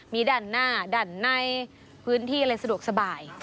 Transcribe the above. มีด้านหน้าด้านในพื้นที่อะไรสะดวกสบาย